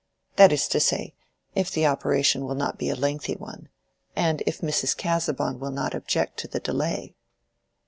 That is to say, if the operation will not be a lengthy one; and if Mrs. Casaubon will not object to the delay."